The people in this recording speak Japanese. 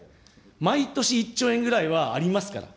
毎年１兆円ぐらいはありますから。